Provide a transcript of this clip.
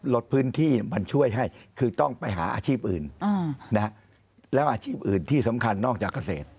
ลดพื้นที่มันช่วยให้คือต้องไปหาอาชีพอื่นแล้วอาชีพอื่นที่สำคัญนอกจากเกษตร